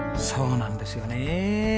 そうなんですよね。